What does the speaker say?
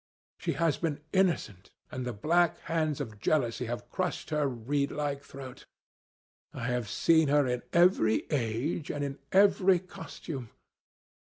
She has been innocent, and the black hands of jealousy have crushed her reedlike throat. I have seen her in every age and in every costume.